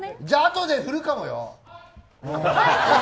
じゃあ、あとで振るかもよ。